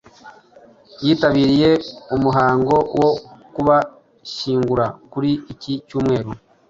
yitabiriye umuhango wo kubashyingura kuri iki cyumweru.